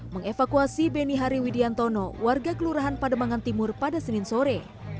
mengevakuasi beni hari widiantono warga kelurahan pademangan timur pada senin sore